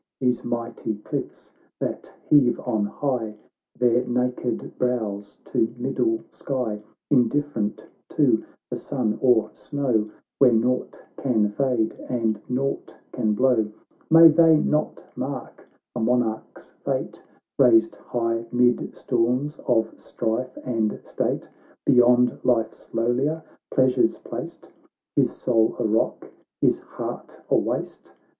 These mighty cliffs, that heave on high Their naked brows to middle sky, Indifferent to the sun or snow, Where nought can (ade, and nought can blow, May tbey not mark a Monarch's fate, — Raised high 'mid storms of strife and state, Beyond life's lowlier pleasures placed, His soul a rock, his heart a waste